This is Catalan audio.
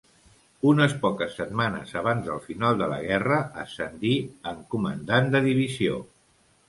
Unes poques setmanes abans del final de la guerra ascendí en comandant de divisió.